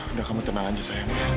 udah kamu tenang saja sayang